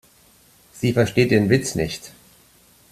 Sie versteht den Witz nicht.